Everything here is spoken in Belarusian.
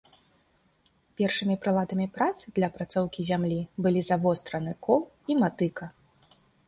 Першымі прыладамі працы для апрацоўкі зямлі былі завостраны кол і матыка.